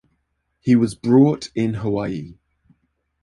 He was brought in Hawaii.